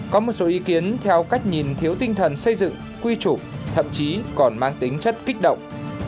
có một số ý kiến theo cách nhìn thiếu tinh thần xây dựng quy chủ thậm chí còn mang tính chất kích động